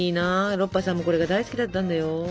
ロッパさんもこれが大好きだったんだよ。